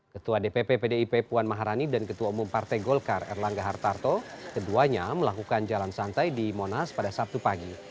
ketua dpp pdip puan maharani dan ketua umum partai golkar erlangga hartarto keduanya melakukan jalan santai di monas pada sabtu pagi